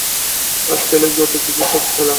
আর ছেলের যত-কিছু সব খেলা।